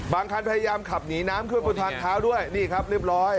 คันพยายามขับหนีน้ำขึ้นบนทางเท้าด้วยนี่ครับเรียบร้อย